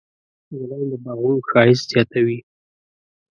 ګلان د باغونو ښایست زیاتوي.